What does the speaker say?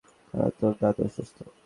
কারণ তোর দাদু অসুস্থ?